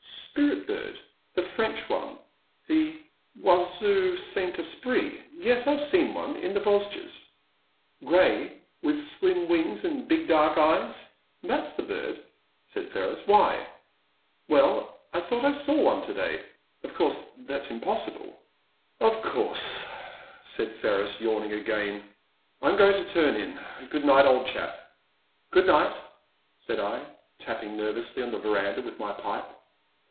'* Spirit bird — ^the French one — ^the Oiseau Saint Esprit ? Yes, I've seen one — in the Vos ges." '* Grey — with slim wings and big dark eyes ?" •'That 's the bird," said Ferris ;" why ?"Well, I thought I saw one to day. Of course that 's impossible." 104 The Silent Land. '* Of course," said Ferris, yawning again !" I 'm going to turn in ; good night, old chap." *' Good night," said I, tapping nervously on the veranda with my pipe.